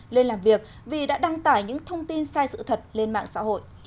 lên làm việc vì đã đăng tải những thông tin sai sự thật lên mạng xã hội